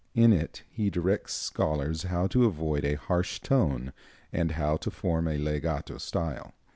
In it he directs scholars how to avoid a harsh tone, and how to form a legato style.